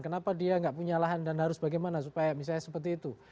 kenapa dia nggak punya lahan dan harus bagaimana supaya misalnya seperti itu